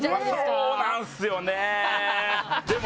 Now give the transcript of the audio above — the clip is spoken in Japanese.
そうなんですよね。